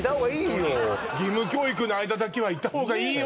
義務教育の間だけはいた方がいいよ